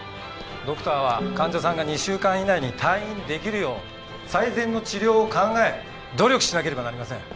ドクターは患者さんが２週間以内に退院出来るよう最善の治療を考え努力しなければなりません。